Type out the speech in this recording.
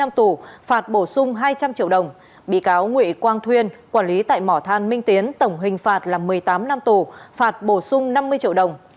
đối với hai tội vi phạm quy định về khai thác tài nguyên và mua bán trái phép vật liệu nổ bị cáo nguyễn quang thuyên quản lý tại mỏ than minh tiến tổng hình phạt là một mươi tám năm tù phạt bổ sung năm mươi triệu đồng